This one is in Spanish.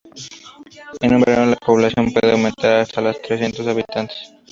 En verano, la población puede aumentar hasta los trescientos habitantes.